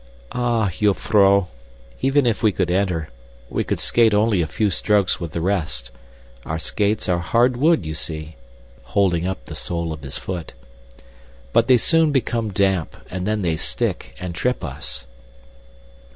"Ah, jufvrouw, even if we could enter, we could skate only a few strokes with the rest. Our skates are hard wood, you see" holding up the sole of his foot "but they soon become damp, and then they stick and trip us."